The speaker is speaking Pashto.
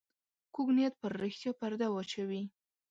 کوږ نیت پر رښتیا پرده واچوي